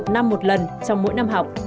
một năm một lần trong mỗi năm học